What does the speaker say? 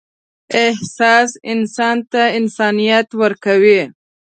احساس انسان ته انسانیت ورکوي.